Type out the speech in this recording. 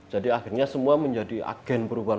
jadi akhirnya semua menjadi agen perubahan